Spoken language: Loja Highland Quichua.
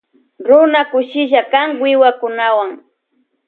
Runa kushilla kan wiwakunawan.